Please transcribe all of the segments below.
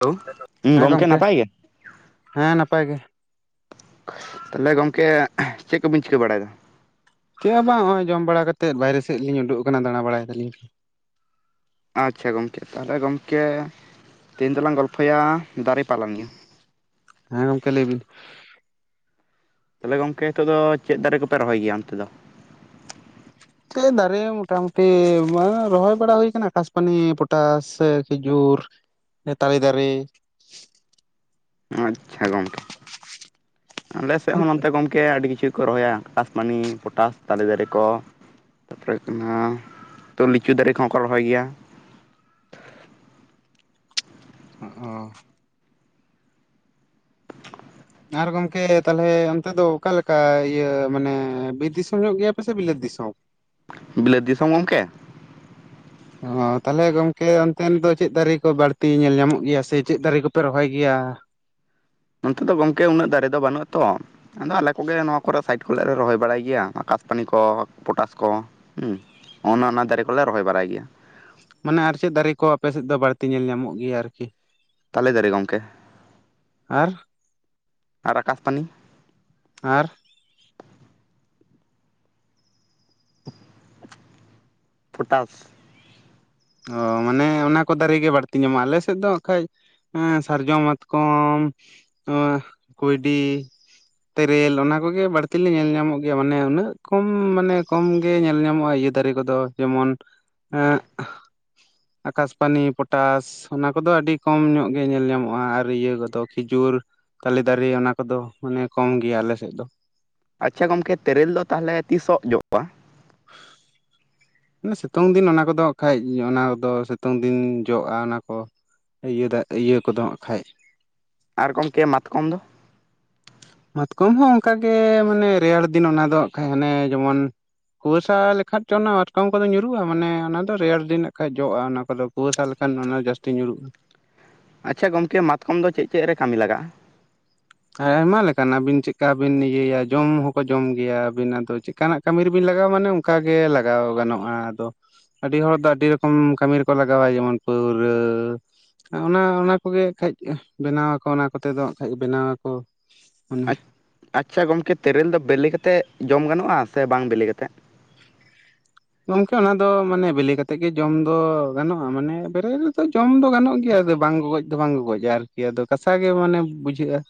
Hello ᱜᱚᱝᱠᱮ ᱱᱟᱯᱟᱭ ᱜᱮ ᱦᱮᱸ ᱱᱟᱯᱟᱭ ᱜᱮ ᱛᱟᱦᱞᱮ ᱜᱚᱝᱠᱮ ᱪᱮᱫ ᱠᱚᱵᱤᱱ ᱪᱤᱠᱟᱹ ᱵᱟᱲᱟᱭᱮᱫᱟ? ᱪᱮᱫ ᱦᱚ ᱵᱟᱝ ᱱᱚᱜ-ᱚᱭ ᱡᱚᱢ ᱵᱟᱲᱟ ᱠᱟᱛᱮᱫ ᱵᱟᱭᱨᱮ ᱥᱮᱫ ᱞᱤᱧ ᱩᱰᱩᱠ ᱟᱠᱟᱱᱟ ᱫᱟᱬᱟ ᱵᱟᱲᱟᱭ ᱫᱟᱞᱤᱧ ᱾ ᱟᱪᱪᱷᱟ ᱜᱚᱢᱠᱮ ᱛᱟᱦᱚᱞᱮ ᱜᱚᱢᱠᱮ ᱛᱮᱦᱮᱧ ᱫᱚᱞᱟᱝ ᱜᱚᱞᱯᱷᱚᱭᱟ ᱫᱟᱨᱮ ᱯᱟᱞᱚᱱᱤᱭᱚ ᱾ ᱦᱮᱸ ᱜᱚᱝᱠᱮ ᱞᱟᱹᱭ ᱵᱤᱱ ᱾ ᱛᱟᱦᱚᱞᱮ ᱜᱚᱝᱠᱮ ᱱᱤᱛᱚᱜ ᱫᱚ ᱪᱮᱫ ᱫᱟᱨᱮ ᱠᱚᱯᱮ ᱨᱚᱦᱚᱭ ᱜᱮᱭᱟ ᱚᱱᱛᱮ ᱫᱚ? ᱫᱟᱨᱮ ᱢᱳᱴᱟᱢᱩᱴᱤ ᱢᱟ ᱨᱚᱦᱚᱭ ᱵᱟᱲᱟ ᱦᱩᱭ ᱟᱠᱟᱱᱟ ᱟᱠᱟᱥᱯᱟᱱᱤ, ᱯᱚᱴᱟᱥ ᱥᱮ ᱠᱷᱤᱡᱩᱨ ᱾ ᱛᱟᱞᱤ ᱫᱟᱨᱮ ᱾ ᱟᱪᱪᱷᱟ ᱜᱚᱝᱠᱮ, ᱟᱞᱮ ᱥᱮᱫ ᱚ ᱦᱚᱸ ᱱᱚᱛᱮ ᱜᱚᱝ ᱜᱚᱢᱠᱮ ᱟᱹᱰᱤ ᱠᱤᱪᱷᱩ ᱠᱚ ᱨᱚᱦᱚᱭᱟ ᱟᱠᱟᱥᱯᱟᱱᱤ, ᱯᱚᱴᱟᱥ, ᱛᱟᱞᱮ ᱫᱟᱨᱮ ᱠᱚ ᱾ ᱛᱟᱯᱚᱨᱮ ᱦᱩᱭᱩᱜ ᱠᱟᱱᱟ ᱛᱚ ᱞᱤᱪᱩ ᱫᱟᱨᱮ ᱠᱚᱦᱚᱸ ᱠᱚ ᱨᱚᱦᱚᱭ ᱜᱮᱭᱟ ᱾ ᱚ ᱾ ᱟᱨ ᱜᱚᱝᱠᱮ ᱛᱟᱦᱚᱞᱮ ᱚᱱᱛᱮ ᱫᱚ ᱚᱠᱟᱞᱮᱠᱟ ᱤᱭᱟᱹ ᱢᱟᱱᱮ ᱵᱤᱨ ᱫᱤᱥᱚᱢ ᱧᱚᱜ ᱜᱮᱭᱟ ᱯᱮ ᱥᱮ ᱵᱤᱞᱟᱹᱛ ᱫᱤᱥᱚᱢ? ᱵᱤᱞᱟᱹᱛ ᱫᱤᱥᱚᱢ ᱜᱚᱢᱠᱮ ᱾ ᱚ ᱛᱟᱦᱚᱞᱮ ᱜᱚᱝᱠᱮ ᱚᱱᱛᱮᱱ ᱫᱚ ᱪᱮᱫ ᱫᱟᱨᱮ ᱠᱚ ᱵᱟᱹᱲᱛᱤ ᱧᱮᱞ ᱧᱟᱢᱚᱜ ᱜᱮᱭᱟ ᱥᱮ ᱪᱮᱫ ᱫᱟᱨᱮ ᱠᱚᱯᱮ ᱨᱚᱦᱚᱭ ᱜᱮᱭᱟ? ᱱᱚᱛᱮ ᱫᱚ ᱜᱚᱝᱠᱮ ᱩᱱᱟᱹᱜ ᱫᱟᱨᱮ ᱫᱚ ᱵᱟᱹᱱᱩᱜ-ᱟ ᱛᱚ ᱾ ᱟᱫᱚ ᱟᱞᱮ ᱠᱚᱜᱮ ᱱᱚᱣᱟ ᱠᱚᱨᱮ ᱥᱟᱭᱤᱴ ᱠᱚᱨᱮ ᱞᱮ ᱨᱚᱦᱚᱭ ᱵᱟᱲᱟᱭ ᱜᱮᱭᱟ ᱟᱠᱟᱥᱯᱟᱱᱤ ᱠᱚ, ᱯᱚᱴᱟᱥ ᱠᱚ, ᱦᱩᱸ ᱚᱱ-ᱚᱱᱟ ᱫᱟᱨᱮ ᱠᱚᱞᱮ ᱨᱚᱦᱚᱭ ᱵᱟᱲᱟᱭ ᱜᱮᱭᱟ ᱾ ᱢᱟᱱᱮ ᱟᱨ ᱪᱮᱫ ᱫᱟᱨᱮ ᱠᱚ ᱟᱯᱮ ᱥᱮᱫ ᱫᱚ ᱵᱟᱹᱲᱛᱤ ᱧᱮᱞ ᱧᱟᱢᱚᱜ ᱜᱮᱭᱟ ᱟᱨᱠᱤ? ᱛᱟᱞᱮ ᱫᱟᱨᱮ ᱜᱚᱝᱠᱮ, ᱟᱨ ᱟᱨ ᱟᱠᱟᱥᱯᱟᱱᱤ ᱾ ᱟᱨ ᱯᱚᱴᱟᱥ ᱾ ᱚ ᱢᱟᱱᱮ ᱚᱱᱟ ᱠᱚ ᱫᱟᱨᱮ ᱜᱮ ᱵᱟᱹᱲᱛᱤ ᱧᱟᱢᱚᱜᱼᱟ ᱟᱞᱮ ᱥᱮᱫ ᱫᱚ ᱦᱟᱸᱜ ᱠᱷᱟᱡ ᱦᱮᱸ ᱥᱟᱨᱡᱚᱢ, ᱢᱟᱛᱠᱚᱢ, ᱠᱩᱭᱰᱤ ᱛᱮᱨᱮᱞ ᱚᱱᱟ ᱠᱚᱜᱮ ᱵᱟᱹᱲᱛᱤ ᱞᱮ ᱧᱮᱞ ᱧᱟᱢᱚᱜ ᱜᱮᱭᱟ, ᱢᱟᱱᱮ ᱩᱱᱟᱹᱜ ᱠᱚᱢ ᱢᱟᱱᱮ ᱠᱚᱢ ᱜᱮ ᱧᱮᱞ ᱧᱟᱢᱚᱜᱼᱟ ᱤᱭᱟᱹ ᱫᱟᱨᱮ ᱠᱚᱫᱚ ᱡᱮᱢᱚᱱ ᱮᱸᱜ ᱟᱠᱟᱥᱯᱟᱱᱤ, ᱯᱚᱴᱟᱥ ᱚᱱᱟ ᱠᱚᱫᱚ ᱟᱹᱰᱤ ᱠᱚᱢ ᱧᱚᱜ ᱜᱮ ᱧᱮᱞ ᱧᱟᱢᱚᱜᱼᱟ, ᱟᱨ ᱤᱭᱟᱹ ᱠᱚᱫᱚ ᱠᱷᱤᱡᱩᱨ ᱛᱟᱞᱮ ᱫᱟᱨᱮ ᱚᱱᱟ ᱠᱚᱫᱚ ᱢᱟᱱᱮ ᱠᱚᱢ ᱜᱮᱭᱟ ᱟᱞᱮ ᱥᱮᱫ ᱫᱚ ᱾ ᱟᱪᱪᱷᱟ ᱜᱚᱝᱠᱮ ᱛᱮᱨᱮᱞ ᱫᱚ ᱛᱟᱦᱚᱞᱮ ᱛᱤᱥᱚᱜ ᱡᱚᱜ-ᱟ? [unintelligible] ᱥᱤᱛᱩᱝ ᱫᱤᱱ ᱚᱱᱟ ᱠᱚᱫᱚ ᱦᱟᱸᱜ ᱠᱷᱟᱡ ᱚᱱᱟ ᱠᱚᱫᱚ ᱥᱤᱛᱩᱝ ᱫᱤᱱ ᱡᱚᱜᱼᱟ ᱚᱱᱟ ᱠᱚ ᱾ ᱤᱭᱟᱹ ᱫᱟᱜ ᱤᱭᱟᱹ ᱠᱚᱫ ᱦᱟᱸᱜ ᱠᱷᱟᱡ ᱾ ᱟᱨ ᱜᱚᱢᱠᱮ ᱢᱟᱛᱠᱚᱢ ᱫᱚ? ᱢᱟᱛᱠᱚᱢ ᱦᱚᱸ ᱚᱱᱠᱟᱜ ᱜᱮ ᱢᱟᱱᱮ ᱨᱮᱭᱟᱲ ᱫᱤᱱ ᱚᱱᱟ ᱫᱚ ᱦᱟᱸᱜ ᱠᱷᱟᱡ ᱦᱟᱱᱮ ᱡᱮᱢᱚᱱ ᱠᱩᱣᱟᱹᱥᱟ ᱞᱮᱠᱷᱟᱡ ᱪᱚ ᱚᱱᱟ ᱢᱟᱛᱠᱚᱢ ᱠᱚᱫᱚ ᱧᱩᱨᱩᱜᱼᱟ ᱢᱟᱱᱮ ᱚᱱᱟ ᱫᱚ ᱨᱮᱭᱟᱲ ᱫᱤᱱ ᱱᱟᱜ ᱠᱷᱟᱡ ᱡᱚᱜᱼᱟ ᱚᱱᱟ ᱠᱚᱫᱚ ᱾ ᱠᱩᱣᱟᱹᱥᱟ ᱞᱮᱠᱷᱟᱱ ᱚᱱᱟ ᱡᱟᱹᱥᱛᱤ ᱧᱩᱨᱩᱜᱼᱟ ᱾ ᱟᱪᱪᱷᱟ ᱜᱚᱢᱠᱮ ᱢᱟᱛᱠᱚᱢ ᱫᱚ ᱪᱮᱫ ᱪᱮᱫ ᱨᱮ ᱠᱟᱢᱤ ᱞᱟᱜᱟᱜᱼᱟ? ᱟᱭᱢᱟ ᱞᱮᱠᱟᱱᱟ ᱟᱹᱵᱤᱱ ᱪᱮᱜ-ᱠᱟ ᱵᱤᱱ ᱤᱭᱟᱹᱭᱟ ᱡᱚᱢ ᱦᱚᱸᱠᱚ ᱡᱚᱢ ᱜᱮᱭᱟ ᱟᱹᱵᱤᱱ ᱟᱫᱚ ᱪᱮᱜ ᱠᱟᱱᱟᱜ ᱠᱟᱹᱢᱤ ᱨᱮᱵᱤᱱ ᱞᱟᱜᱟᱣᱟ ᱢᱟᱱᱮ ᱚᱱᱠᱟ ᱜᱮ ᱞᱟᱜᱟᱣ ᱜᱟᱱᱚᱜᱼᱟ ᱟᱫᱚ ᱾ ᱟᱹᱰᱤ ᱦᱚᱲ ᱫᱚ ᱟᱹᱰᱤ ᱨᱚᱠᱚᱢ ᱠᱟᱹᱢᱤ ᱨᱮᱠᱚ ᱞᱟᱜᱟᱣᱟ ᱡᱮᱢᱚᱱ ᱯᱟᱹᱣᱨᱟᱹ ᱚᱱᱟ ᱚᱱᱟ ᱠᱚᱜᱮ ᱠᱷᱟᱡ ᱵᱮᱱᱟᱣ ᱟᱠᱚ ᱚᱱᱟ ᱠᱚᱛᱮ ᱫᱚ ᱦᱟᱸᱜ ᱠᱷᱟᱡ ᱵᱮᱱᱟᱣ ᱟᱠᱚ ᱾ ᱟᱪ ᱟᱪᱪᱷᱟ ᱜᱚᱢᱠᱮ ᱛᱮᱨᱮᱞ ᱫᱚ ᱵᱮᱞᱤ ᱠᱟᱛᱮ ᱡᱚᱢ ᱜᱟᱱᱚᱜᱼᱟ ᱥᱮ ᱵᱟᱝ ᱵᱮᱞᱮ ᱠᱟᱛᱮᱸ? ᱜᱚᱝᱠᱮ ᱚᱱᱟ ᱫᱚ ᱢᱟᱱᱮ ᱵᱮᱞᱤ ᱠᱟᱛᱮᱜ ᱜᱮ ᱡᱚᱢ ᱫᱚ ᱜᱟᱱᱚᱜᱼᱟ ᱢᱟᱱᱮ ᱵᱮᱨᱮᱞ ᱨᱮᱫᱚ ᱡᱚᱢ ᱫᱚ ᱜᱟᱱᱚᱜ ᱜᱮᱭᱟ ᱟᱫᱚ ᱵᱟᱝ ᱜᱚᱜᱚᱡ ᱫᱚ ᱵᱟᱝ ᱜᱚᱜᱚᱡ-ᱟ ᱟᱨᱠᱤ ᱟᱫᱚ ᱠᱟᱥᱟ ᱜᱮ ᱢᱟᱱᱮ ᱵᱩᱡᱷᱟᱹᱜᱼᱟ ᱾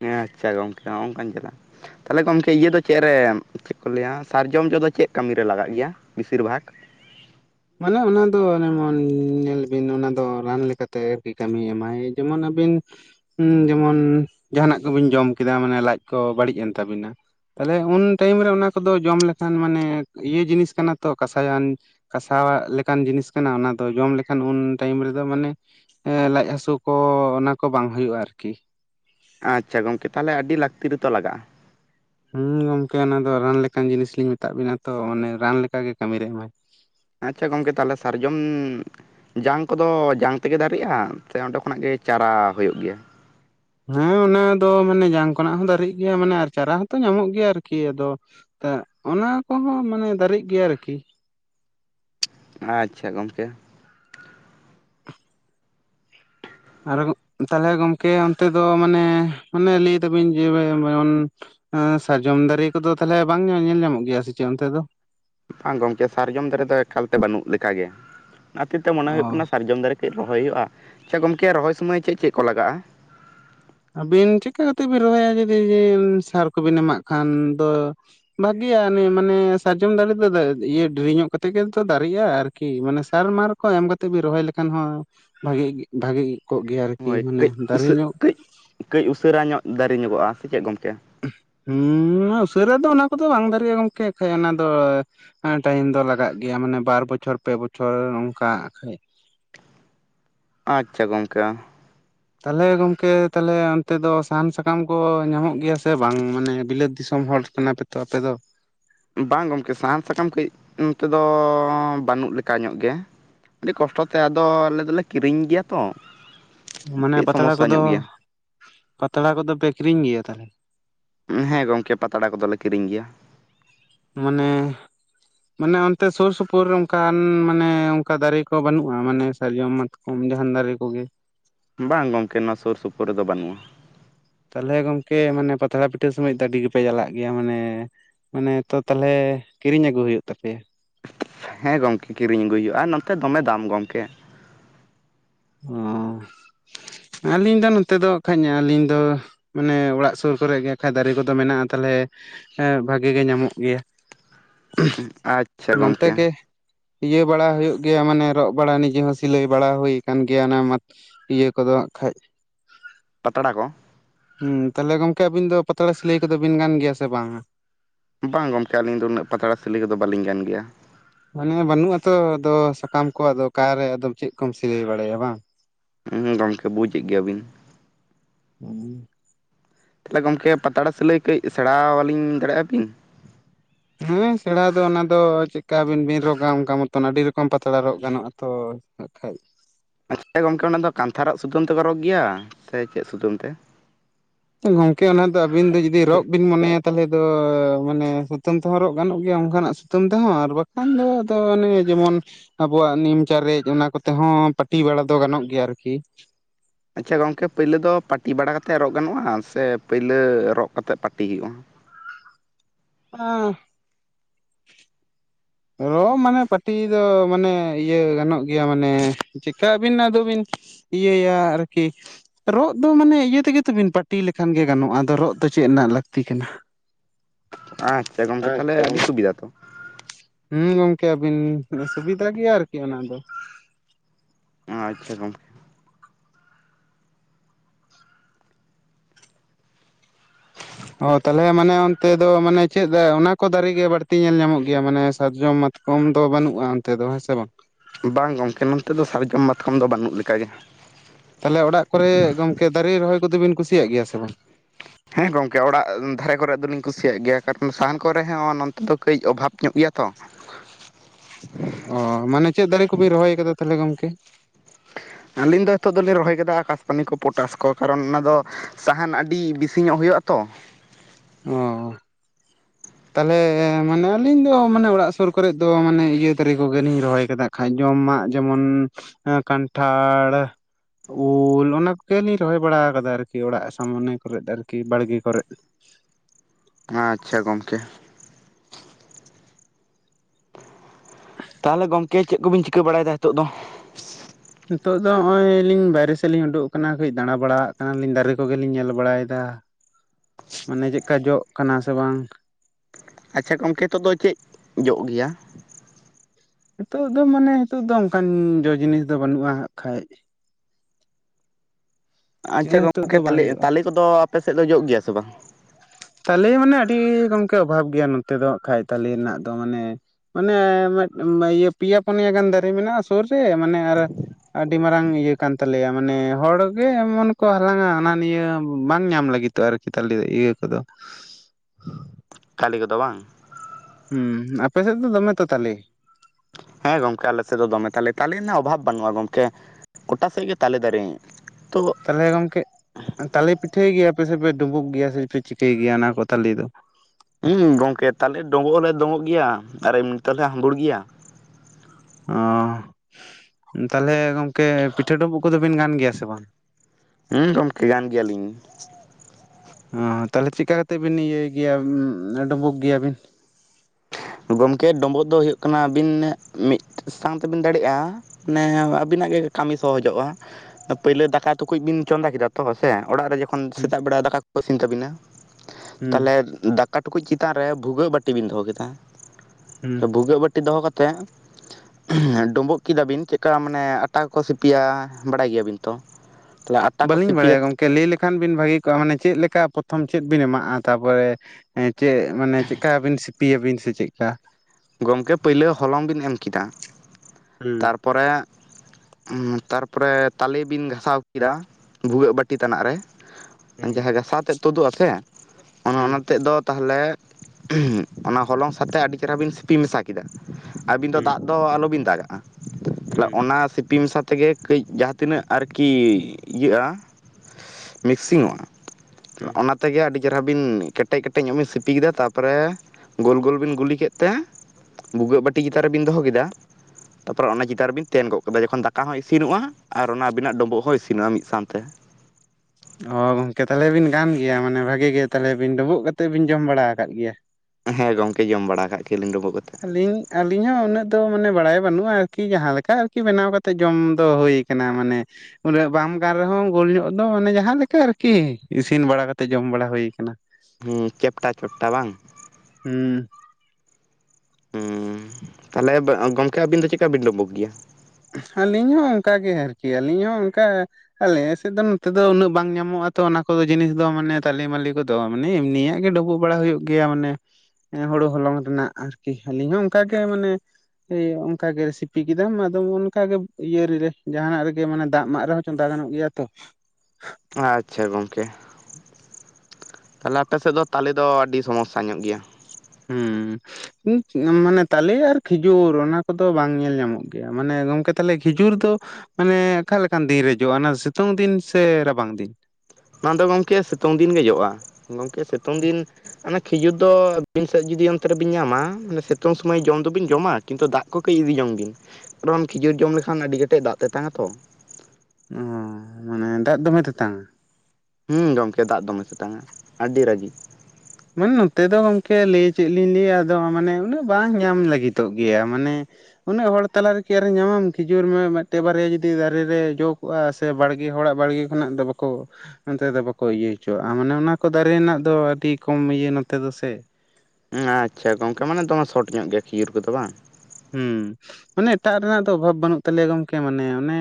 ᱦᱮᱸ ᱟᱪᱪᱷᱟ ᱜᱚᱝᱠᱮ ᱦᱚᱸᱜᱼᱚᱱ ᱠᱟᱱ ᱡᱟᱜᱟ ᱾ ᱛᱟᱦᱞᱮ ᱜᱚᱢᱠᱮ ᱤᱭᱟᱹ ᱫᱚ ᱪᱮ ᱨᱮ ᱪᱮᱫ ᱠᱚ ᱞᱟᱹᱭᱟ ᱥᱟᱨᱡᱚᱢ ᱡᱚ ᱫᱚ ᱪᱮᱫ ᱠᱟᱢᱤ ᱨᱮ ᱞᱟᱜᱟᱜ ᱜᱮᱭᱟ? ᱵᱤᱥᱤᱨ ᱵᱷᱟᱜᱽ ᱢᱟᱱᱮ ᱚᱱᱟ ᱫᱚ ᱱᱮᱢᱚᱱ ᱧᱮᱞ ᱵᱤᱱ ᱚᱱᱟ ᱫᱚ ᱨᱟᱱ ᱞᱮᱠᱟᱛᱮ ᱟᱨᱠᱤ ᱠᱟᱹᱢᱤ ᱮᱢᱟᱭ ᱡᱮᱢᱚᱱ ᱟᱹᱵᱤᱱ ᱩᱸ ᱡᱮᱢᱚᱱ ᱡᱟᱦᱟᱸᱱᱟᱜ ᱠᱚᱵᱤᱱ ᱡᱚᱢ ᱠᱮᱫᱟ ᱢᱟᱱᱮ ᱞᱟᱡ ᱠᱚ ᱵᱟᱹᱲᱤᱜ ᱮᱱ ᱛᱟᱵᱤᱱᱟ᱾ ᱛᱟᱦᱞᱮ ᱩᱱ ᱴᱟᱭᱤᱢ ᱨᱮ ᱚᱱᱟ ᱠᱚᱫᱚ ᱡᱚᱢ ᱞᱮᱠᱷᱟᱱ ᱢᱟᱱᱮ ᱤᱭᱟᱹ ᱡᱤᱱᱤᱥ ᱠᱟᱱᱟ ᱛᱚ ᱠᱟᱥᱟᱭᱟᱱ ᱠᱟᱥᱟᱣᱟᱜ ᱞᱮᱠᱟᱱ ᱡᱤᱱᱤᱥ ᱠᱟᱱᱟ ᱚᱱᱟ ᱫᱚ ᱡᱚᱢ ᱞᱮᱠᱷᱟᱱ ᱩᱱ ᱴᱟᱹᱭᱤᱢ ᱨᱮᱫᱚ ᱢᱟᱱᱮ ᱮᱸ ᱞᱟᱡᱽ ᱦᱟᱹᱥᱩ ᱠᱚ ᱚᱱᱟ ᱠᱚ ᱵᱟᱝ ᱦᱩᱭᱩᱜᱼᱟ ᱟᱨᱠᱤ᱾ ᱟᱪᱪᱷᱟ ᱜᱚᱝᱠᱮ ᱛᱟᱦᱚᱞᱮ ᱟᱹᱰᱤ ᱞᱟᱹᱠᱛᱤ ᱨᱮᱛᱚ ᱞᱟᱜᱟᱼᱟ᱾ ᱦᱩᱸ ᱜᱚᱝᱠᱮ ᱚᱱᱟ ᱫᱚ ᱨᱟᱱ ᱞᱮᱠᱟᱱ ᱡᱤᱱᱤᱥ ᱞᱤᱧ ᱢᱤᱛᱟᱜ ᱵᱤᱱᱟ ᱛᱚ ᱚᱱᱮ ᱨᱟᱱ ᱞᱮᱠᱟ ᱜᱮ ᱠᱟᱹᱢᱤ ᱨᱮ ᱮᱢᱟᱭ᱾ ᱟᱪᱪᱷᱟ ᱜᱚᱝᱠᱮ ᱛᱟᱦᱚᱞᱮ ᱥᱟᱨᱡᱚᱢ ᱡᱟᱝ ᱠᱚᱫᱚ ᱡᱟᱝ ᱛᱮᱜᱮ ᱫᱟᱨᱤᱜᱼᱟ ᱥᱮ ᱚᱸᱰᱮ ᱠᱷᱚᱱᱟᱜ ᱜᱮ ᱪᱟᱨᱟ ᱦᱩᱭᱩᱜ ᱜᱮᱭᱟ? ᱦᱮᱸ ᱚᱱᱟ ᱫᱚ ᱢᱟᱱᱮ ᱡᱟᱝ ᱠᱷᱚᱱᱟᱜ ᱦᱚᱸ ᱫᱟᱹᱨᱤᱜ ᱜᱮᱭᱟ ᱢᱟᱱᱮ ᱟᱨ ᱪᱟᱨᱟ ᱦᱚᱸᱛᱚ ᱧᱟᱢᱚᱜ ᱜᱮᱭᱟ ᱟᱨᱠᱤ ᱟᱫᱚ, ᱛᱚ ᱚᱱᱟ ᱠᱚᱦᱚᱸ ᱢᱟᱱᱮ ᱫᱟᱨᱤᱜ ᱜᱮᱭᱟ ᱟᱨᱠᱤ᱾ ᱟᱪᱪᱷᱟ ᱜᱚᱢᱠᱮ᱾ ᱟᱨ ᱦᱚᱸ ᱛᱟᱦᱚᱞᱮ ᱜᱚᱝᱠᱮ ᱚᱱᱛᱮ ᱫᱚ ᱢᱟᱱᱮ ᱢᱟᱱᱮ ᱞᱟᱹᱭ ᱫᱟᱵᱤᱱ [unintelligible] ᱮᱸ ᱥᱟᱨᱡᱚᱢ ᱫᱟᱨᱮ ᱠᱚᱫᱚ ᱛᱟᱦᱚᱞᱮ ᱵᱟᱝ ᱧᱮᱸ ᱧᱮᱞ ᱧᱟᱢᱚᱜ ᱜᱮᱭᱟ ᱥᱮ ᱪᱮᱜ ᱚᱱᱛᱮ ᱫᱚ? ᱵᱟᱝ ᱜᱚᱝᱠᱮ ᱥᱟᱨᱡᱚᱢ ᱫᱟᱨᱮ ᱫᱚ ᱮᱠᱟᱞᱛᱮ ᱵᱟᱹᱱᱩᱜ ᱞᱮᱠᱟᱜᱮ ᱟᱨ ᱛᱤᱨ ᱛᱮ ᱢᱚᱱᱮ ᱦᱩᱭᱩᱜ ᱚ ᱠᱟᱱᱟ ᱥᱟᱨᱡᱚᱢ ᱫᱟᱨᱮ ᱪᱮᱜ ᱨᱚᱦᱚᱭ ᱦᱩᱭᱩᱜᱼᱟ᱾ ᱪᱷᱟ ᱜᱚᱢᱠᱮ ᱨᱚᱦᱚᱭ ᱥᱩᱢᱟᱹᱭ ᱪᱮᱜ ᱪᱮᱜ ᱠᱚ ᱞᱟᱜᱟᱜᱼᱟ? ᱟᱹᱵᱤᱱ ᱪᱤᱠᱟᱹ ᱛᱮᱵᱮᱱ ᱨᱚᱦᱚᱭᱟ ᱡᱩᱫᱤ ᱥᱟᱨ ᱠᱚᱵᱤᱱ ᱮᱢᱟᱜ ᱠᱷᱟᱱ ᱫᱚ ᱵᱷᱟᱜᱤᱭᱟ ᱚᱱᱮ ᱢᱟᱱᱮ ᱥᱟᱨᱡᱚᱢ ᱫᱟᱨᱮ ᱫᱚ ᱤᱭᱟᱹ ᱰᱮᱨᱤᱧᱚᱜ ᱠᱟᱛᱮᱜ ᱜᱮ ᱛᱚ ᱫᱟᱨᱮᱜᱼᱟ ᱟᱨᱠᱤ ᱢᱟᱱᱮ ᱥᱟᱨᱢᱟᱨ ᱠᱚ ᱮᱢ ᱠᱟᱛᱮᱜ ᱵᱤᱱ ᱨᱚᱦᱚᱭ ᱞᱮᱠᱷᱟᱱ ᱦᱚᱸ ᱵᱷᱟᱜᱤ ᱜᱤ ᱵᱷᱟᱜᱤ ᱜᱤ ᱠᱚᱜ ᱜᱮᱭᱟ ᱟᱨᱠᱤ ᱦᱳᱭ ᱢᱟᱱᱮ ᱠᱟᱹᱡ ᱫᱟᱨᱮ ᱩᱥᱟᱹ ᱧᱚᱜ ᱠᱟᱹᱡ ᱠᱟᱹᱡ ᱩᱥᱟᱹᱨᱟ ᱧᱚᱜ ᱫᱟᱨᱮ ᱧᱚᱜᱚᱜᱼᱟ ᱥᱮ ᱪᱮᱫ ᱜᱚᱢᱠᱮ, ᱦᱩᱻᱸ ᱩᱥᱟᱹᱨᱟ ᱫᱚ ᱚᱱᱟ ᱠᱚᱫᱚ ᱵᱟᱝ ᱫᱟᱨᱮᱭᱟᱜᱼᱟ ᱜᱚᱝᱠᱮ ᱠᱷᱟᱭ ᱚᱱᱟ ᱫᱚ ᱟᱸ ᱴᱟᱭᱤᱢ ᱫᱚ ᱞᱟᱜᱟᱜ ᱜᱮᱭᱟ ᱢᱟᱱᱮ ᱵᱟᱨ ᱵᱚᱪᱷᱚᱨ ᱯᱮ ᱵᱚᱪᱷᱚᱨ ᱚᱝᱠᱟ ᱟᱠᱷᱟᱡ᱾ ᱟᱪᱪᱷᱟ ᱜᱚᱝᱠᱮ, ᱛᱟᱦᱞᱮ ᱜᱚᱝᱠᱮ ᱛᱟᱦᱞᱮ ᱚᱱᱛᱮ ᱫᱚ ᱥᱟᱦᱟᱱ ᱥᱟᱠᱟᱢ ᱠᱚ ᱧᱟᱢᱚᱜ ᱜᱮᱭᱟ ᱥᱮ ᱵᱟᱝ ᱢᱟᱱᱮ ᱵᱤᱞᱟᱹᱛ ᱫᱤᱥᱚᱢ ᱦᱚᱲ ᱠᱟᱱᱟ ᱯᱮ ᱛᱚ ᱟᱯᱮᱫᱚ? ᱵᱟᱝ ᱜᱚᱢᱠᱮ ᱥᱟᱦᱟᱱ ᱥᱟᱠᱟᱢ ᱠᱟᱹᱡ ᱱᱚᱛᱮ ᱫᱚ ᱵᱟᱹᱱᱩᱜ ᱞᱮᱠᱟ ᱧᱚᱜ ᱜᱮ᱾ ᱟᱹᱰᱤ ᱠᱚᱥᱴᱚ ᱛᱮ ᱟᱫᱚ ᱟᱞᱮ ᱫᱚᱞᱮ ᱠᱤᱨᱤᱧ ᱜᱤᱭᱟ ᱛᱚᱸ, ᱢᱟᱱᱮ ᱯᱟᱛᱲᱟ ᱠᱚᱫᱚ ᱯᱟᱛᱲᱟ ᱠᱚᱫᱚ ᱯᱮ ᱠᱤᱨᱤᱧ ᱜᱤᱭᱟ ᱛᱟᱦᱚᱞᱮ? ᱦᱮᱸ ᱜᱚᱝᱠᱮ ᱯᱟᱛᱲᱟ ᱠᱚᱫᱚᱞᱮ ᱠᱤᱨᱤᱧ ᱜᱤᱭᱟ᱾ ᱢᱟᱱᱮ ᱢᱟᱱᱮ ᱚᱱᱛᱮ ᱥᱩᱨ ᱥᱩᱯᱩᱨ ᱚᱱᱠᱟᱱ ᱢᱟᱱᱮ ᱚᱱᱠᱟ ᱫᱟᱨᱮ ᱠᱚ ᱵᱟᱹᱱᱩᱜᱼᱟ ᱢᱟᱱᱮ ᱥᱟᱨᱡᱚᱢ ᱢᱟᱛ ᱩᱢ ᱡᱟᱦᱟᱸᱱ ᱫᱟᱨᱮ ᱠᱚᱜᱮ? ᱵᱟᱝ ᱜᱚᱝᱠᱮ ᱱᱚᱣᱟ ᱥᱩᱨ ᱥᱩᱯᱩᱨ ᱨᱮᱫᱚ ᱵᱟᱹᱱᱩᱜᱼᱟ᱾ ᱛᱟᱦᱚᱞᱮ ᱜᱚᱝᱠᱮ ᱢᱟᱱᱮ ᱯᱟᱛᱲᱟ ᱯᱤᱴᱷᱟᱹ ᱥᱚᱢᱚᱭ ᱫᱚ ᱟᱹᱰᱤ ᱜᱮᱯᱮ ᱡᱟᱞᱟᱜ ᱜᱮᱭᱟ ᱢᱟᱱᱮ ᱢᱟᱱᱮ ᱛᱚ ᱛᱟᱦᱞᱮ ᱠᱤᱨᱤᱧ ᱟᱹᱜᱩ ᱦᱩᱭᱩᱜ ᱛᱟᱯᱮᱭᱟ ᱦᱮᱸ ᱜᱚᱝᱠᱮ ᱠᱤᱨᱤᱧ ᱟᱹᱜᱩᱭ ᱦᱩᱭᱩᱜᱼᱟ ᱱᱚᱛᱮ ᱫᱚᱢᱮ ᱫᱟᱢ ᱜᱚᱢᱠᱮ᱾ ᱚᱸᱻ ᱟᱹᱞᱤᱧ ᱫᱚ ᱱᱚᱛᱮ ᱫᱚ ᱠᱷᱟᱡ ᱟᱹᱞᱤᱧ ᱫᱚ ᱢᱟᱱᱮ ᱚᱲᱟᱜ ᱥᱩᱨ ᱠᱚᱨᱮ ᱜᱮ ᱠᱷᱟᱡ ᱫᱟᱨᱮ ᱠᱚᱫᱚ ᱢᱮᱱᱟᱜᱼᱟ ᱛᱟᱦᱞᱮ ᱮᱸ ᱵᱷᱟᱜᱮ ᱜᱮ ᱧᱟᱢᱚᱜ ᱜᱮᱭᱟ᱾ ᱩᱷ ᱟᱪᱪᱷᱟ ᱱᱚᱱᱛᱮ ᱜᱚᱢᱠᱮ ᱜᱮ ᱤᱭᱟᱹ ᱵᱟᱲᱟ ᱦᱩᱭᱩᱜ ᱜᱮᱭᱟ, ᱢᱟᱱᱮ ᱨᱚᱜ ᱵᱟᱲᱟ ᱱᱤᱡᱮ ᱦᱚᱸ ᱥᱤᱞᱟᱹᱭ ᱵᱟᱲᱟ ᱦᱩᱭ ᱠᱟᱱ ᱜᱮᱭᱟ ᱚᱱᱟ ᱢᱟᱛ ᱤᱭᱟᱹ ᱠᱚᱫᱚ ᱦᱟᱸᱜ ᱟᱠᱷᱟᱡ᱾ ᱯᱟᱛᱲᱟ ᱠᱚ ᱦᱩᱸ ᱛᱟᱦᱚᱞᱮ ᱜᱚᱝᱠᱮ ᱟᱵᱤᱱ ᱫᱚ ᱯᱟᱛᱲᱟ ᱥᱤᱞᱟᱹᱭ ᱠᱚᱫᱚ ᱵᱤᱱ ᱜᱟᱱ ᱜᱮᱭᱟ ᱥᱮ ᱵᱟᱝᱟ? ᱵᱟᱝ ᱜᱚᱢᱠᱮ ᱟᱹᱞᱤᱧ ᱫᱚ ᱩᱱᱟᱹᱜ ᱯᱟᱛᱲᱟ ᱥᱤᱞᱟᱹᱭ ᱠᱚᱫᱚ ᱵᱟᱞᱤᱧ ᱜᱟᱱ ᱜᱮᱭᱟ᱾ ᱢᱟᱱᱮ ᱵᱟᱹᱱᱩᱜ-ᱟ ᱛᱚ ᱟᱫᱚ ᱥᱟᱠᱟᱢ ᱠᱚ ᱟᱫᱚ ᱚᱠᱟᱨᱮ ᱟᱫᱚ ᱪᱮᱫ ᱠᱚᱢ ᱥᱤᱞᱟᱹᱭ ᱵᱟᱲᱟᱭᱟ ᱵᱟᱝ? ᱦᱩᱸ ᱜᱚᱢᱠᱮ ᱵᱩᱡᱮᱜ ᱜᱮᱭᱟ ᱵᱤᱱ᱾ ᱦᱩᱸ᱾ [inaudible] ᱛᱟᱦᱞᱮ ᱜᱚᱢᱠᱮ ᱯᱟᱛᱲᱟ ᱥᱤᱞᱟᱹᱭ ᱠᱟᱹᱡ ᱥᱮᱬᱟ ᱟᱹᱞᱤᱧ ᱫᱟᱲᱮᱭᱟᱜᱼᱟ ᱵᱤᱱ? ᱦᱮᱸ ᱥᱮᱸᱬᱟ ᱫᱚ ᱚᱱᱟ ᱫᱚ ᱪᱮᱫᱠᱟ ᱵᱤᱱ ᱵᱤᱱ ᱨᱚᱜᱟ ᱚᱱᱠᱟ ᱢᱚᱛᱚᱱ ᱟᱹᱰᱤ ᱨᱚᱠᱚᱢ ᱯᱟᱛᱲᱟ ᱨᱚᱜ ᱜᱟᱱᱚᱜ-ᱟ ᱛᱚ᱾ [unintelligible] ᱟᱪᱪᱷᱟ ᱜᱚᱢᱠᱮ ᱚᱱᱟ ᱫᱚ ᱠᱟᱱᱛᱷᱟ ᱨᱚᱜᱽ ᱥᱩᱛᱟᱹᱢ ᱛᱮᱵᱮᱱ ᱨᱚᱜᱽ ᱜᱮᱭᱟ ᱥᱮ ᱪᱮᱫ ᱥᱩᱛᱟᱹᱢ ᱛᱮ? ᱜᱚᱝᱠᱮ ᱚᱱᱟ ᱫᱚ ᱟᱹᱵᱤᱱ ᱫᱚ ᱡᱩᱫᱤ ᱨᱚᱜᱽ ᱵᱤᱱ ᱢᱚᱱᱮᱭᱟ ᱛᱟᱦᱞᱮ ᱫᱚ ᱢᱟᱱᱮ ᱥᱩᱛᱟᱹᱢ ᱛᱮᱦᱚᱸ ᱨᱚᱜᱽ ᱜᱟᱱᱚᱜ ᱜᱮᱭᱟ ᱚᱱᱠᱟᱱᱟᱜᱼᱼ ᱥᱩᱛᱟᱹᱢ ᱛᱮᱦᱚᱸ ᱟᱨ ᱵᱟᱝᱠᱷᱟᱱ ᱫᱚ ᱟᱫᱚ ᱚᱱᱮ ᱡᱮᱢᱚᱱ ᱟᱵᱚᱣᱟᱜ ᱱᱤᱢ ᱪᱟᱨᱮᱡ ᱚᱱᱟ ᱠᱚ ᱛᱮᱦᱚᱸ ᱯᱟᱹᱴᱤ ᱵᱟᱲᱟ ᱫᱚ ᱜᱟᱱᱚᱜ ᱜᱮᱭᱟ ᱟᱨᱠᱤ᱾ ᱟᱪᱪᱷᱟ ᱜᱚᱝᱠᱮ ᱯᱟᱹᱭᱞᱟᱹᱫᱚ ᱯᱟᱹᱴᱤ ᱵᱟᱲᱟ ᱠᱟᱛᱮᱫ ᱨᱚᱜ ᱜᱟᱱᱚᱜᱼᱟ ᱥᱮ ᱯᱟᱹᱭᱞᱟᱹ ᱨᱚᱜ ᱠᱟᱛᱮᱫ ᱯᱟᱹᱴᱤ ᱦᱩᱭᱩᱜᱼᱟ? ᱚᱱᱟᱻ ᱨᱚᱜ ᱢᱟᱱᱮ ᱯᱟᱴᱤ ᱫᱚ ᱢᱟᱱᱮ ᱤᱭᱟᱹ ᱜᱟᱱᱚᱜ ᱜᱮᱭᱟ ᱢᱟᱱᱮ ᱪᱤᱠᱟᱹ ᱟᱵᱤᱱ ᱟᱫᱚ ᱵᱤᱱ ᱤᱭᱟᱹᱭᱟ ᱟᱨᱠᱤ᱾ ᱨᱚᱜ ᱫᱚ ᱢᱟᱱᱮ ᱤᱭᱟᱹ ᱛᱮᱜᱮ ᱛᱚᱵᱤᱱ ᱯᱟᱹᱴᱤ ᱞᱮᱠᱷᱟᱱ ᱜᱮ ᱜᱟᱱᱚᱜᱼᱟ ᱟᱫᱚ ᱨᱚᱜ ᱫᱚ ᱪᱮᱫ ᱨᱮᱱᱟᱜ ᱞᱟᱹᱠᱛᱤ ᱠᱟᱱᱟ? ᱟᱪᱪᱷᱟ ᱜᱚᱢᱠᱮ ᱛᱟᱦᱞᱮ ᱟᱪᱪᱷᱟ ᱟᱹᱰᱤ ᱜᱚᱝᱠᱮ ᱥᱩᱵᱤᱫᱟ ᱛᱚ᱾ ᱦᱩᱸ ᱜᱚᱝᱠᱮ ᱟᱹᱵᱤᱱ ᱥᱩᱵᱤᱫᱟ ᱜᱮᱭᱟ ᱟᱨᱠᱤ ᱚᱱᱟ ᱫᱚ᱾ ᱟᱪᱪᱷᱟ ᱜᱚᱢᱠᱮ᱾ [unintelligible] ᱚ ᱛᱟᱞᱦᱮ ᱢᱟᱱᱮ ᱚᱱᱛᱮ ᱫᱚ ᱢᱟᱱᱮ ᱪᱮᱫ ᱫᱟ ᱚᱱᱟ ᱠᱚ ᱫᱟᱨᱮ ᱜᱮ ᱵᱟᱹᱲᱛᱤ ᱧᱮᱞ ᱧᱟᱢᱚᱜ ᱜᱮᱭᱟ ᱢᱟᱱᱮ ᱥᱟᱨᱡᱚᱢ ᱢᱟᱛ ᱠᱚᱢ ᱫᱚ ᱵᱟᱹᱱᱩᱜᱼᱟ ᱚᱱᱛᱮ ᱫᱚ ᱦᱮᱸ ᱥᱮ ᱵᱟᱝ? ᱵᱟᱝ ᱜᱚᱝᱠᱮ ᱱᱚᱱᱛᱮ ᱫᱚ ᱥᱟᱨᱡᱚᱢ ᱢᱟᱛᱠᱚᱢ ᱫᱚ ᱵᱟᱹᱱᱩᱜ ᱞᱮᱠᱟ ᱜᱮ᱾ ᱛᱟᱦᱞᱮ ᱚᱲᱟᱜ ᱠᱚᱨᱮ ᱜᱚᱝᱠᱮ ᱫᱟᱨᱮ ᱨᱚᱦᱚᱭ ᱠᱚᱫᱚ ᱵᱤᱱ ᱠᱩᱥᱤᱭᱟᱜ ᱜᱮᱭᱟ ᱥᱮ ᱵᱟᱝ? ᱦᱮᱸ ᱜᱚᱢᱠᱮ ᱚᱲᱟᱜ ᱫᱷᱟᱨᱮ ᱠᱚᱨᱮᱜ ᱫᱚᱞᱤᱧ ᱠᱩᱥᱤᱭᱟᱜ ᱜᱮᱭᱟ ᱠᱟᱨᱚᱱ ᱥᱟᱦᱟᱱ ᱠᱚᱨᱮ ᱦᱚᱸ ᱱᱚᱛᱮ ᱫᱚ ᱠᱟᱹᱡ ᱚᱵᱷᱟᱵᱽ ᱧᱚᱜ ᱜᱮᱭᱟ ᱛᱚ᱾ [unintelligible] ᱚ ᱢᱟᱱᱮ ᱪᱮᱫ ᱫᱟᱨᱮ ᱠᱚᱵᱤᱱ ᱨᱚᱦᱚᱭ ᱟᱠᱟᱫᱟ ᱛᱟᱦᱞᱮ ᱜᱚᱢᱠᱮ? ᱟᱹᱞᱤᱧ ᱫᱚ ᱦᱤᱛᱚᱜ ᱫᱚᱞᱤᱧ ᱨᱚᱦᱚᱭ ᱠᱮᱫᱟ ᱟᱠᱟᱥᱯᱟᱱᱤ ᱠᱚ ᱯᱚᱴᱟᱥ ᱠᱚ ᱠᱟᱨᱚᱱ ᱚᱱᱟ ᱫᱚ ᱥᱟᱦᱟᱱ ᱟᱹᱰᱤ ᱵᱮᱥᱤ ᱧᱚᱜ ᱦᱩᱭᱩᱜ-ᱟ ᱛᱚ᱾ ᱚᱻ ᱛᱟᱦᱞᱮ ᱢᱟᱱᱮ ᱟᱹᱞᱤᱧ ᱫᱚ ᱢᱟᱱᱮ ᱚᱲᱟᱜ ᱥᱩᱨ ᱠᱚᱨᱮᱫ ᱫᱚ ᱢᱟᱱᱮ ᱤᱭᱟᱹ ᱫᱟᱹᱨᱮ ᱠᱚᱜᱮᱞᱤᱧ ᱨᱚᱦᱚᱭ ᱟᱠᱟᱫᱟ᱾ ᱠᱷᱟᱡ ᱡᱚᱢᱟᱜ ᱡᱮᱢᱚᱱ ᱠᱟᱱᱴᱷᱟᱲ᱾ ᱩᱞ ᱚᱱᱟ ᱠᱚᱜᱮᱞᱤᱧ ᱨᱚᱦᱚᱭ ᱵᱟᱲᱟ ᱟᱠᱟᱫᱟ ᱟᱨᱠᱤ ᱚᱲᱟᱜ ᱥᱟᱢᱚᱱᱮ ᱠᱚᱨᱮᱜ ᱟᱨᱠᱤ ᱵᱟᱲᱜᱮ ᱠᱚᱨᱮᱜ᱾ ᱟᱪᱪᱷᱟ ᱜᱚᱢᱠᱮ᱾ ᱛᱟᱦᱞᱮ ᱜᱚᱢᱠᱮ ᱪᱮᱫ ᱠᱚᱵᱤᱱ ᱪᱤᱠᱟᱹ ᱵᱟᱲᱟᱭ ᱫᱟ? ᱱᱤᱛᱚᱜ ᱫᱚ, ᱱᱤᱛᱚᱜ ᱫᱚ ᱦᱚᱜ-ᱚᱭ ᱞᱤᱧ ᱵᱟᱭᱨᱮ ᱥᱮᱫ ᱞᱤᱧ ᱩᱰᱩᱠ ᱟᱠᱟᱱᱟ ᱠᱟᱹᱡ ᱫᱟᱸᱲᱟ ᱵᱟᱲᱟ-ᱟᱜ ᱠᱟᱱᱟᱞᱤᱧ᱾ ᱫᱟᱨᱮ ᱠᱚᱜᱮᱞᱤᱧ ᱧᱮᱞ ᱵᱟᱲᱟᱭᱮᱫᱟ᱾ [unintelligible] ᱢᱟᱱᱮ ᱪᱮᱫᱠᱟ ᱡᱚᱜ ᱠᱟᱱᱟ ᱥᱮ ᱵᱟᱝ᱾ ᱟᱪᱪᱷᱟ ᱜᱚᱢᱠᱮ ᱱᱤᱛᱚᱜ ᱫᱚ ᱪᱮᱫ ᱡᱚᱜ ᱜᱮᱭᱟ? ᱱᱤᱛᱚᱜ ᱫᱚ ᱢᱟᱱᱮ ᱱᱤᱛᱚᱜ ᱫᱚ ᱚᱱᱠᱟᱱ ᱡᱚ ᱡᱤᱱᱤᱥ ᱫᱚ ᱵᱟᱹᱱᱩᱜᱼᱟ ᱦᱟᱜ ᱠᱷᱟᱡ᱾ ᱪᱮᱫ ᱟᱪᱪᱷᱟ ᱦᱚᱸ ᱱᱤᱛᱚᱜ ᱜᱚᱢᱠᱮ ᱫᱚ ᱵᱟᱝ ᱛᱟᱦᱞᱮ ᱡᱚᱜᱼᱟ ᱛᱟᱞᱮ ᱠᱚᱫᱚ ᱟᱯᱮ ᱥᱮᱫ ᱫᱚ ᱡᱚᱜ ᱜᱮᱭᱟ ᱥᱮ ᱵᱟᱝ? ᱛᱟᱞᱮ ᱢᱟᱱᱮ ᱟᱹᱰᱤ ᱜᱚᱢᱠᱮ ᱚᱵᱷᱟᱵᱽ ᱜᱮᱭᱟ ᱱᱚᱛᱮ ᱫᱚ ᱠᱷᱟᱡ ᱛᱟᱞᱮ ᱨᱮᱱᱟᱜ ᱫᱚ ᱢᱟᱱᱮ ᱢᱟᱱᱮ ᱢᱮᱫ ᱤᱭᱟᱹ ᱯᱮᱭᱟ ᱯᱩᱱᱭᱟ ᱜᱟᱱ ᱫᱟᱨᱮ ᱢᱮᱱᱟᱜᱼᱟ ᱥᱩᱨ ᱨᱮ ᱢᱟᱱᱮ ᱟᱨ ᱟᱹᱰᱤ ᱢᱟᱨᱟᱝ ᱤᱭᱟᱹ ᱠᱟᱱ ᱛᱟᱞᱮᱭᱟ ᱢᱟᱱᱮ ᱦᱚᱲ ᱜᱮ ᱮᱢᱚᱱ ᱠᱚ ᱦᱟᱞᱟᱝᱼᱟ ᱚᱱᱟ ᱱᱤᱭᱟᱹ ᱵᱟᱝ ᱧᱟᱢ ᱞᱟᱹᱜᱤᱫ᱾ ᱟᱨᱠᱤ ᱛᱟᱞ ᱤᱭᱟᱹ ᱠᱚᱫᱚ [unintelligible] [inaudible] ᱠᱷᱟᱹᱞᱤ ᱠᱚᱫᱚ ᱵᱟᱝ᱾ ᱦᱩᱸ, ᱟᱯᱮ ᱥᱮᱫ ᱫᱚ ᱫᱚᱢᱮ ᱛᱚ ᱛᱟᱞᱮ᱾ ᱦᱮᱸ, ᱜᱚᱝᱠᱮ ᱟᱞᱮ ᱥᱮᱫ ᱫᱚᱢᱮ ᱛᱟᱞᱮ ᱛᱟᱞᱮ ᱨᱮᱱᱟᱜ ᱚᱵᱷᱟᱵᱽ ᱵᱟᱹᱱᱩᱜᱼᱟ ᱜᱚᱢᱠᱮ᱾ ᱜᱚᱴᱟ ᱥᱮᱫ ᱜᱮ ᱛᱟᱞᱮ ᱫᱟᱨᱮ, ᱛᱚᱼᱼ ᱛᱟᱦᱚᱞᱮ ᱜᱚᱝᱠᱮ, ᱛᱟᱞᱮ ᱯᱤᱴᱷᱟᱹᱭ ᱜᱮᱭᱟᱯᱮ ᱥᱮ ᱯᱮ ᱰᱩᱸᱵᱩᱜ ᱜᱮᱭᱟ᱾ ᱥᱮ ᱯᱮ ᱪᱤᱠᱟᱹᱭ ᱜᱮᱭᱟ ᱚᱱᱟ ᱠᱚ ᱛᱟᱞᱮ ᱫᱚ᱾ ᱦᱩᱸ ᱜᱚᱝᱠᱮ, ᱛᱟᱦᱚᱞᱮ ᱰᱳᱜᱚᱜ ᱦᱚᱞᱮ ᱰᱳᱜᱚᱜ ᱜᱮᱭᱟ ᱾ ᱟᱨ ᱮᱢ ᱛᱮᱞᱮ ᱦᱟᱹᱵᱩᱲ ᱜᱮᱭᱟ᱾ ᱚ ᱛᱟᱦᱚᱞᱮ ᱜᱚᱝᱠᱮ, ᱯᱤᱴᱷᱟᱹ ᱰᱩᱵᱩᱜ ᱠᱚᱫᱚᱵᱤᱱ ᱜᱟᱱ ᱜᱮᱭᱟ ᱥᱮ ᱵᱟᱝ? ᱦᱩᱸᱜᱚᱝᱠᱮ ᱜᱟᱱ ᱜᱮᱭᱟᱞᱤᱧ᱾ ᱚ ᱛᱟᱦᱚᱞᱮ ᱪᱤᱫ ᱠᱟᱛᱮ ᱵᱤᱱ ᱤᱭᱟᱹᱭ ᱵᱤᱱ [unintelligible] ᱜᱮᱭᱟ ᱰᱩᱵᱳᱩᱜ ᱜᱮᱭᱟ ᱵᱤᱱ᱾ ᱜᱚᱝᱠᱮ ᱰᱳᱢᱵᱳᱩᱜ ᱫᱚ ᱦᱳᱭᱳᱜ ᱠᱟᱱᱟ᱾ ᱟᱹᱵᱤᱱ ᱢᱤᱫ ᱥᱟᱝ ᱛᱮᱵᱤᱱ ᱫᱟᱲᱮᱜᱼᱟ᱾ ᱢᱟᱱᱮ ᱟᱹᱵᱤᱱᱟᱜ ᱜᱮ ᱠᱟᱹᱢᱤ ᱥᱚᱦᱚᱡᱚᱜᱼᱟ᱾ ᱯᱟᱹᱭᱞᱟᱹ ᱫᱟᱠᱟ ᱴᱩᱠᱩᱡ ᱵᱤᱱ ᱪᱚᱸᱫᱟ ᱠᱮᱫᱟ᱾ ᱛᱚ ᱥᱮ ᱚᱲᱟᱜ ᱨᱮ ᱡᱚᱠᱷᱚᱱ ᱦᱩᱸ ᱥᱮᱛᱟᱜ ᱵᱮᱲᱟ ᱫᱟᱠᱟ ᱠᱚ ᱤᱥᱤᱱ ᱛᱟᱵᱤᱱᱟ᱾ ᱦᱩᱸ ᱛᱟᱦᱚᱞᱮ ᱫᱟᱠᱟᱼᱼ ᱴᱩᱠᱩᱡ ᱪᱮᱛᱟᱱ ᱨᱮ ᱵᱷᱩᱜᱟᱹᱜ ᱵᱟᱹᱴᱤ ᱵᱤᱱ ᱫᱚᱦᱚ ᱠᱮᱫᱟ᱾ ᱦᱩᱸ ᱵᱷᱩᱜᱟᱹᱜ ᱵᱟᱹᱴᱤ ᱫᱚᱦᱚ ᱠᱟᱛᱮᱫᱼᱼ ᱰᱳᱵᱳᱩᱜ ᱠᱮᱫᱟᱵᱤᱱ ᱪᱮᱫᱠᱟ ᱢᱟᱱᱮ ᱟᱴᱟ ᱠᱚᱠᱚ ᱥᱤᱯᱤᱭᱟ, ᱵᱟᱲᱟᱭ ᱜᱮᱭᱟᱵᱤᱱ ᱛᱚ᱾ ᱛᱟᱦᱮ [unintelligible] ᱵᱟᱹᱞᱤᱧ ᱵᱟᱲᱟᱭᱟ ᱜᱚᱝᱠᱮ, ᱞᱟᱹᱭ ᱞᱮᱠᱷᱟᱱ ᱵᱤᱱ ᱵᱷᱟᱹᱜᱮ ᱠᱚᱜᱼᱟ᱾ ᱢᱟᱱᱮ ᱪᱮᱫ ᱞᱮᱠᱟ ᱯᱚᱛᱷᱚᱢ ᱪᱮᱫ ᱵᱤᱱ ᱮᱢᱟᱜᱼᱟ᱾ ᱛᱟᱯᱚᱨᱮᱼᱼ ᱪᱮᱫ, ᱢᱟᱱᱮ ᱪᱮᱫ ᱠᱟ ᱵᱤᱱ ᱥᱤᱯᱤᱭᱟᱵᱤᱱ ᱥᱮ ᱪᱮᱫᱠᱟ? ᱜᱚᱝᱠᱮ ᱯᱟᱹᱭᱞᱟᱹ ᱦᱚᱞᱚᱝ ᱵᱤᱱ ᱮᱢ ᱠᱮᱫᱟ᱾ ᱦᱩᱸ᱾ ᱯᱚᱨᱮᱼᱼ ᱩᱸ ᱛᱟᱨᱯᱚᱨᱮ ᱛᱟᱞᱮ ᱵᱤᱱ ᱜᱷᱟᱥᱟᱣ ᱠᱮᱫᱟ ᱾ ᱵᱷᱩᱜᱟᱹᱜ ᱵᱟᱹᱴᱤ ᱛᱟᱱᱟᱜ ᱨᱮ᱾ ᱦᱩᱸ ᱡᱟᱦᱟᱸ ᱜᱟᱥᱟᱣ ᱛᱮᱫ ᱛᱳᱫᱩᱜ ᱟᱥᱮ, ᱚᱱᱮ ᱦᱩᱸ ᱚᱱᱟ ᱛᱮᱫ ᱫᱚᱼᱼ ᱛᱟᱦᱚᱞᱮ ᱚᱱᱟ ᱦᱚᱞᱚᱝ ᱥᱟᱛᱮᱜ ᱟᱹᱰᱤ ᱪᱮᱦᱨᱟ ᱵᱤᱱ ᱥᱤᱯᱤ ᱢᱮᱥᱟ ᱠᱮᱫᱼᱼ ᱠᱮᱫᱟ ᱾ ᱟᱹᱵᱤᱱ ᱫᱚ ᱦᱩᱸ ᱫᱟᱜ ᱫᱚ ᱟᱞᱚᱵᱤᱱ ᱫᱟᱜᱟᱜᱼᱟ ᱾ ᱛᱟᱦᱚᱞᱮ ᱦᱩᱸ ᱚᱱᱟ ᱥᱤᱯᱤ ᱢᱮᱥᱛᱮ ᱛᱮᱜᱮ ᱠᱟᱹᱡ ᱡᱟᱦᱟᱸ ᱛᱤᱱᱟᱹᱜ ᱟᱨᱠᱤ ᱤᱭᱟᱹᱜᱼᱟ, ᱢᱤᱠᱥᱤᱝᱚᱜᱼᱟ᱾ ᱦᱩᱸ [unintelligible] ᱚᱱᱟ ᱛᱮᱜᱮ ᱟᱹᱰᱤ ᱪᱮᱦᱨᱟ ᱵᱤᱱ ᱠᱮᱴᱮᱡ ᱠᱮᱴᱮᱡ ᱧᱚᱜ ᱵᱤᱱ ᱥᱤᱯᱤ ᱠᱮᱫᱟ᱾ ᱛᱟᱯᱚᱨᱮ ᱜᱳᱞ ᱜᱳᱞ ᱵᱤᱱ ᱜᱩᱞᱤ ᱠᱮᱫ ᱛᱮᱼᱼ ᱵᱷᱩᱜᱟᱹᱜ ᱵᱟᱹᱴᱤ ᱪᱮᱛᱟᱱ ᱨᱮᱵᱤᱱ ᱫᱚᱦᱚ ᱠᱮᱫᱟ᱾ ᱛᱟᱯᱚᱨᱮ ᱚᱱᱟ ᱪᱮᱛᱟᱱ ᱨᱮᱵᱤᱱ ᱛᱮᱱ ᱜᱚᱫ ᱠᱮᱫᱟ᱾ ᱡᱚᱠᱷᱚᱱ ᱫᱟᱠᱟ ᱦᱚᱸ ᱤᱥᱤᱱᱚᱜᱼᱟ ᱟᱨ ᱚᱱᱟ ᱟᱹᱵᱤᱱᱟᱜ ᱰᱳᱸᱵᱳᱜ ᱦᱚᱸ ᱤᱥᱤᱱᱚᱜᱼᱟ ᱢᱤᱫ ᱥᱟᱶᱛᱮ᱾ ᱚ ᱜᱚᱝᱠᱮ, ᱛᱟᱦᱚᱞᱮ ᱵᱤᱱ ᱜᱟᱱ ᱜᱮᱭᱟ᱾ ᱢᱟᱱᱮ ᱵᱷᱟᱜᱮ ᱜᱮ, ᱛᱟᱦᱚᱞᱮ ᱵᱤᱱ ᱰᱳᱵᱳᱜ ᱠᱟᱛᱮᱫ ᱵᱤᱱ ᱡᱚᱢ ᱵᱟᱲᱟ ᱟᱠᱟᱫ ᱜᱮᱭᱟ᱾ ᱦᱮᱸ ᱜᱚᱝᱠᱮ ᱡᱚᱢ ᱵᱟᱲᱟ ᱟᱠᱟᱜ ᱜᱮᱭᱟ ᱞᱤᱧ ᱰᱳᱵᱳᱜ ᱠᱟᱛᱮ᱾ ᱟᱞᱤᱧ, ᱟᱞᱤᱧ ᱦᱚᱸ ᱩᱱᱟᱹᱜ ᱫᱚ ᱢᱟᱱᱮ ᱵᱟᱲᱟᱭ ᱵᱟᱹᱱᱩᱜᱼᱟ ᱟᱨᱠᱤ ᱾ ᱡᱟᱦᱟᱸ ᱞᱮᱠᱟ ᱟᱨᱠᱤ ᱵᱮᱱᱟᱣ ᱠᱟᱛᱮᱫ ᱡᱚᱢ ᱫᱚ ᱦᱳᱭᱼᱼ ᱠᱟᱱᱟ ᱢᱟᱱᱮᱻ ᱩᱱᱟᱹᱜ ᱵᱟᱢ ᱜᱟᱱ ᱨᱮᱦᱚᱸ ᱜᱳᱞ ᱧᱚᱜ ᱫᱚ᱾ ᱢᱟᱱᱮ ᱡᱟᱦᱟᱸᱞᱮᱠᱟ ᱟᱨᱠᱤ ᱤᱥᱤᱱ ᱵᱟᱲᱟ ᱠᱟᱛᱮᱜ ᱡᱚᱢ ᱵᱟᱲᱟ ᱦᱳᱭ ᱠᱟᱱᱟ᱾ ᱦᱩᱸ, ᱪᱮᱯᱴᱟ ᱪᱮᱯᱴᱟ ᱵᱟᱝ᱾ ᱦᱩᱸ᱾ ᱦᱩᱸ, ᱛᱟᱦᱚᱞᱮ ᱜᱚᱝᱠᱮ ᱟᱹᱵᱤᱱ ᱫᱚ ᱪᱮᱫᱠᱟ ᱵᱤᱱ ᱰᱚᱵᱳᱩᱜ ᱜᱮᱭᱟ? ᱟᱹᱞᱤᱧ ᱦᱚᱸ ᱚᱱᱠᱟᱜ ᱜᱮ ᱟᱨᱠᱤ ᱟᱹᱞᱤᱧ ᱦᱚᱸ ᱚᱱᱠᱟᱼᱼ ᱟᱞᱮ ᱥᱮᱫ ᱫᱚ ᱱᱚᱛᱮ ᱫᱚ ᱩᱱᱟᱹᱜ ᱵᱟᱝ ᱧᱟᱢᱚᱜᱼᱟ ᱛᱚ ᱾ ᱚᱱᱟ ᱠᱚ ᱡᱤᱱᱤᱥ ᱫᱚ ᱢᱟᱱᱮ ᱛᱟᱞᱮ ᱢᱟᱞᱮ ᱠᱚᱫᱚᱼᱼ ᱛᱚ ᱢᱟᱱᱮ ᱮᱢᱱᱤᱭᱟᱜ ᱜᱮ ᱰᱳᱵᱳᱜ ᱵᱟᱲᱟ ᱦᱳᱭᱳᱜ ᱜᱮᱭᱟ ᱢᱟᱱᱮ, ᱮᱸ ᱦᱳᱲᱳ ᱦᱚᱞᱚᱝ ᱨᱮᱱᱟᱜ ᱟᱨᱠᱤ, ᱟᱹᱞᱤᱧ ᱦᱚᱸ ᱚᱱᱠᱟ ᱜᱮ ᱢᱟᱱᱮ᱾ ᱤᱭᱟᱹ ᱚᱱᱠᱟ ᱜᱮ ᱥᱤᱯᱤ ᱠᱮᱫᱟᱢᱼᱼ ᱚᱱᱠᱟᱜᱮ ᱤᱭᱟᱹᱨ [unintelligible] ᱨᱮ ᱡᱟᱦᱟᱱᱟᱜ ᱨᱮᱜᱮ ᱢᱟᱱᱮ, ᱫᱟᱜ ᱢᱟᱜ ᱨᱮᱦᱚᱸ ᱪᱚᱸᱫᱟ ᱜᱟᱱᱚᱜ ᱜᱮᱭᱟ ᱛᱚ᱾ ᱟᱪ-ᱪᱷᱟ ᱜᱚᱝᱠᱮ ᱾ ᱯ-ᱪ-ᱟ-ᱜ ᱛᱟᱦᱞᱮ ᱟᱯᱮ ᱥᱮᱫ ᱫᱚ ᱛᱟᱞᱮ ᱫᱚ ᱟᱹᱰᱤ ᱥᱚᱢᱚᱥ-ᱥᱟ ᱧᱚᱜ ᱜᱮᱭᱟ। ᱦᱩᱸᱦ ᱾ ᱢᱟᱱᱮ ᱛᱟᱞᱮ ᱟᱨ ᱠᱷᱤᱡᱩᱨ ᱚᱱᱟ ᱠᱚᱫᱚ ᱵᱟᱝ ᱧᱮᱞ ᱧᱟᱢᱚᱜ ᱜᱮᱭᱟ, ᱢᱟᱱᱮ ᱜᱚᱢᱠᱮ ᱛᱟᱞᱦᱮ ᱠᱷᱤᱡᱩᱨ ᱫᱚ ᱢᱟᱱᱮ ᱚᱠᱟ ᱞᱮᱠᱟᱱ ᱫᱤᱱ ᱨᱮ ᱡᱚᱜᱼᱟ ᱚᱱᱟ ᱥᱤᱛᱳᱝ ᱫᱤᱱ ᱥᱮ ᱨᱟᱵᱟᱝ ᱫᱤᱱ? ᱵᱟᱝ ᱫᱚ ᱜᱚᱝᱠᱮ ᱥᱮᱛᱳᱝ ᱫᱤᱱ ᱜᱮ ᱡᱚᱜᱼᱟ ᱜᱚᱝᱠᱮ ᱥᱮᱛᱳᱝ ᱫᱤᱱ ᱢᱮᱱᱮᱠ ᱠᱷᱤᱡᱩᱨ ᱫᱚ ᱟᱹᱵᱤᱱ ᱥᱮᱫ ᱡᱩᱫᱤ ᱚᱱᱛᱮ ᱨᱮᱵᱤᱱ ᱧᱟᱢᱟ ᱢᱟᱱᱮ ᱥᱮᱛᱝ ᱥᱳᱚᱢᱚᱭ ᱡᱚᱢ ᱫᱚᱵᱤᱱ ᱡᱚᱢᱟ, ᱠᱤᱱᱛᱩ ᱫᱟᱜ ᱠᱚ ᱠᱟᱹᱡ ᱤᱫᱤ ᱡᱚᱝ ᱵᱤᱱ ᱠᱟᱨᱚᱱ ᱠᱷᱤᱡᱩᱨ ᱡᱚᱢ ᱞᱮᱠᱷᱟᱱ ᱟᱰᱤ ᱠᱮᱴᱮᱡ ᱫᱟᱜ ᱛᱮᱛᱟᱝᱟᱛᱚ ᱾ ᱚ, ᱢᱟᱱᱮ ᱫᱟᱜ ᱫᱚᱢᱮ ᱛᱮᱛᱟᱝᱟ ᱾ ᱦᱩᱸ ᱜᱚᱝᱠᱮ ᱫᱟᱜ ᱫᱚᱢᱮ ᱛᱮᱛᱟᱝᱟ ᱟ ᱰᱤ ᱨᱟ ᱜᱤ, ᱢᱟᱱᱮ ᱱᱚᱛᱮ ᱫᱚ ᱜᱚᱝᱠᱮ ᱞᱟᱹᱭ ᱪᱮᱫ ᱞᱤᱧ ᱞᱟᱹᱭᱟ ᱟᱫᱚ ᱢᱟᱱᱮ ᱩᱱᱟᱹᱜ ᱵᱟᱝ ᱧᱟᱢ ᱞᱟᱹᱜᱤᱫᱚᱜ ᱜᱮᱭᱟ ᱢᱟᱱᱮ, ᱩᱱᱟᱹᱜ ᱦᱚᱲ ᱛᱟᱞᱟ ᱨᱮᱠᱤ ᱟᱨ ᱧᱟᱢᱟᱢ ᱠᱷᱤᱡᱩᱨ ᱢᱮ ᱢᱤᱫᱴᱮᱱ ᱵᱟᱨᱭᱟ ᱡᱩᱫᱤ ᱫᱟᱨᱮ ᱨᱮ ᱡᱚ ᱠᱚᱜᱼᱟ, ᱥᱮ ᱵᱟᱲᱜᱮᱹ ᱦᱚᱲᱟᱜ ᱵᱟᱲᱜᱮᱹ ᱠᱷᱚᱱᱟᱜ ᱫᱚ ᱵᱟᱠᱚ, ᱱᱚᱱᱛᱮ ᱫᱚ ᱵᱟᱠᱚ ᱤᱭᱟᱹ ᱦᱚᱪᱚᱣᱟᱜᱼᱟ ᱢᱟᱱᱮ ᱚᱱᱟ ᱠᱚ ᱫᱟᱨᱮᱹ ᱨᱮᱱᱟᱜ ᱫᱚ ᱟᱹᱰᱤ ᱠᱚᱢ ᱤᱭᱟᱹ ᱱᱚᱛᱮ ᱫᱚ ᱥᱮ, ᱦᱮᱸ ᱟᱪᱼᱪᱷᱟ, ᱜᱚᱝᱠᱮ ᱢᱟᱱᱮ ᱫᱚᱢᱮ ᱥᱚᱴ ᱧᱚᱜ ᱜᱮᱭᱟ ᱠᱷᱤᱡᱩᱨ ᱠᱚᱫᱚ ᱵᱟᱝ? ᱦᱩᱸ, ᱥ-ᱤ-ᱯ ᱾ ᱟᱱᱮ ᱮᱴᱟᱜ ᱨᱮᱱᱟᱜ ᱫᱚ ᱚᱵᱷᱟᱵ ᱵᱟᱹᱱᱩᱜ ᱛᱟᱞᱮᱭᱟ ᱜᱚᱝᱠᱮ ᱢᱟᱱᱮ ᱚᱱᱮ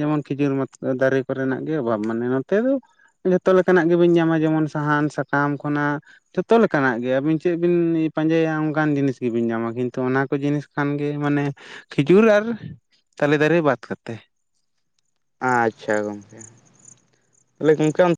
ᱡᱮᱢᱚᱱ ᱠᱷᱤᱡᱩᱨ ᱢᱟᱛ ᱫᱟᱨᱮ ᱾ ᱠᱚᱨᱮᱱᱟᱜ ᱜᱮ ᱚᱵᱷᱟᱵᱽ ᱢᱟᱱᱮ ᱱᱚᱛᱮ ᱫᱚ ᱡᱷᱚᱛᱚ ᱞᱮᱠᱟᱱᱟᱜ ᱜᱮ ᱵᱟᱹᱧ ᱧᱟᱢᱟ ᱡᱮᱢᱚᱱ ᱥᱟᱦᱟᱱ ᱥᱟᱠᱟᱢ ᱠᱷᱚᱱᱟᱜ, ᱡᱷᱚᱛᱚ ᱞᱮᱠᱟᱱᱟᱜ ᱜᱮ ᱟᱹᱵᱤᱱ ᱪᱮᱫ ᱵᱤᱱ ᱯᱟᱸᱡᱟᱭᱟ ᱚᱱᱠᱟᱱ ᱡᱤᱱᱤᱥ ᱜᱮᱵᱤᱱ ᱧᱟᱢᱟ ᱠᱤᱱᱛᱩ ᱚᱱᱟ ᱠᱚ ᱡᱤᱱᱤᱥ, ᱠᱷᱟᱱ ᱜᱮ ᱢᱟᱱᱮ ᱠᱷᱤᱡᱩᱨ ᱟᱨ ᱛᱟᱞᱮ ᱫᱟᱨᱮ ᱵᱟᱫᱽ ᱠᱟᱛᱮ ᱾ ᱟᱪ- ᱪᱷᱟ ᱜᱚᱝᱠᱮ, ᱛᱟᱞᱦᱮ ᱜᱚᱝᱠᱮ ᱚᱱ